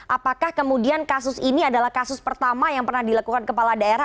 apakah kemudian kasus ini adalah kasus pertama yang pernah dilakukan kepala daerah